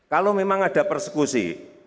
kalau memang ada persekusi